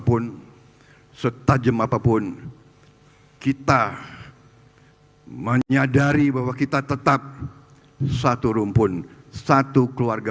untuk macam mana hal ini dig frage karya